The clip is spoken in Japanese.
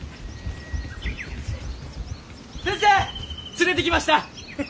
連れてきました。